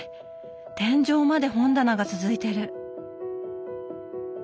天井まで本棚が続いてる！